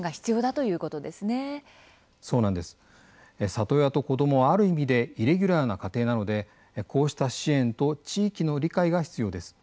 里親と子どもはある意味でイレギュラーな家庭なのでこうした支援と地域の理解が必要です。